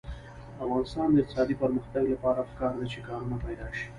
د افغانستان د اقتصادي پرمختګ لپاره پکار ده چې کارونه پیدا شي.